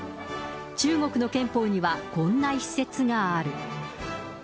中国の憲法にはこんな一説がある。